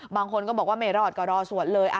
บางคนก็บอกว่าไม่รอดก็รอสวดเลย